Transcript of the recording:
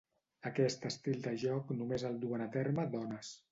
Aquest estil de joc només el duen a terme dones.